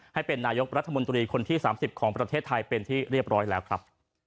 ให้เป็นนายกรัฐมนตรีคนที่๓๐ของประเทศไทยเป็นที่เรียบร้อยแล้วครับ